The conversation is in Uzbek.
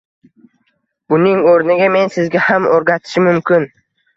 Buning o’rniga men sizga ham o’rgatishim mumkin.